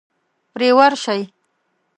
پرې ورشئ.